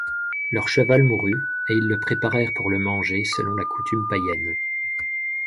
Leur cheval mourut, et ils le préparèrent pour le manger, selon la coutume païenne.